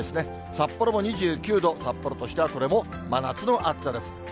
札幌２９度、札幌としてはこれも真夏の暑さです。